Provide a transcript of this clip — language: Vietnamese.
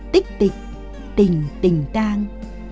tích tịch tình tình tang